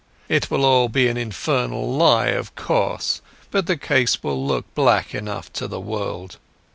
It will all be an infernal lie, of course, but the case will look black enough to the world.